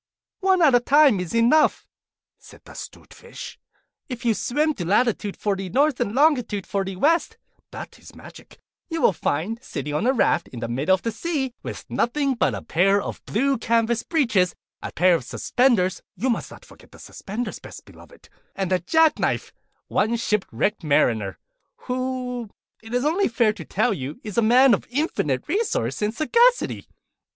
'One at a time is enough,' said the 'Stute Fish. 'If you swim to latitude Fifty North, longitude Forty West (that is magic), you will find, sitting on a raft, in the middle of the sea, with nothing on but a pair of blue canvas breeches, a pair of suspenders (you must not forget the suspenders, Best Beloved), and a jack knife, one ship wrecked Mariner, who, it is only fair to tell you, is a man of infinite resource and sagacity.